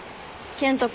健人君？